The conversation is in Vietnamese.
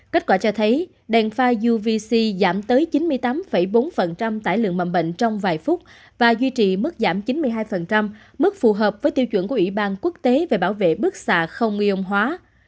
kết quả cho thấy đèn pha yovic giảm tới chín mươi tám bốn tải lượng mầm bệnh trong vài phút và duy trì mức giảm chín mươi hai mức phù hợp với tiêu chuẩn của ủy ban quốc tế về bảo vệ bức xạ không yon hóa